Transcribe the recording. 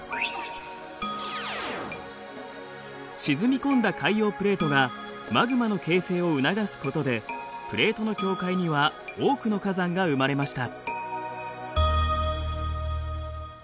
沈み込んだ海洋プレートがマグマの形成を促すことでプレートの境界には多くの火山が生まれました。